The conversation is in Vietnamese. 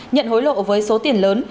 nhận hối lộ với số tiền lớn